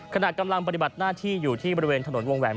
ขณะกำลังปฏิบัติหน้าที่อยู่ที่บริเวณถนนวงแหวน